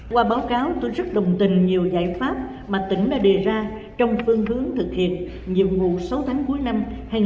qua báo cáo tôi rất đồng tình nhiều giải pháp mà tỉnh đã đề ra trong phương hướng thực hiện nhiệm vụ sáu tháng cuối năm hai nghìn hai mươi